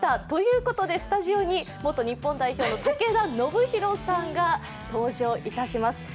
ということでスタジオに元日本代表の武田修宏さんが登場いたします。